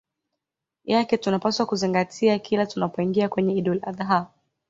yake tunapaswa kuzingatia kila tunapoingia kwenye Idul Adh ha